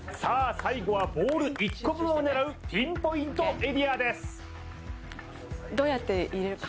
最後はボール１個分を狙うピンポイントエリアです